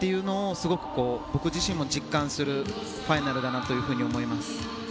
すごく、僕自身も実感するファイナルだなと思います。